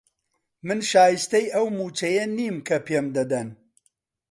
من شایستەی ئەو مووچەیە نیم کە پێم دەدەن.